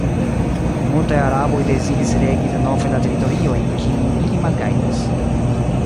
Multaj araboj deziris regi denove la teritoriojn, kiujn ili malgajnis.